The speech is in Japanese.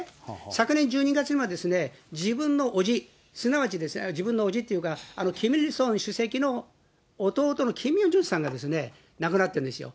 昨年１２月には、自分のおじ、すなわち、自分のおじというか、キム・イルソン主席の弟のキム・さんが亡くなってるんですよ。